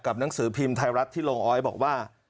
หนังสือพิมพ์ไทยรัฐที่ลงออยบอกว่า